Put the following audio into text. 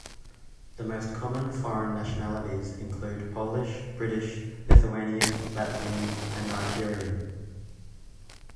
The most common foreign nationalities include Polish, British, Lithuanian, Latvian and Nigerian.